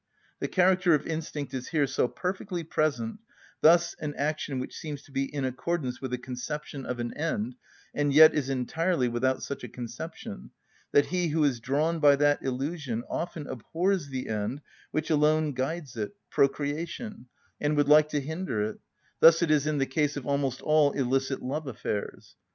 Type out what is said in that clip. The character of instinct is here so perfectly present, thus an action which seems to be in accordance with the conception of an end, and yet is entirely without such a conception, that he who is drawn by that illusion often abhors the end which alone guides it, procreation, and would like to hinder it; thus it is in the case of almost all illicit love affairs.